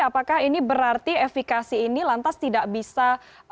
apakah ini berarti efikasi ini lantas tidak bisa